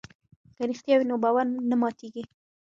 که رښتیا وي نو باور نه ماتیږي.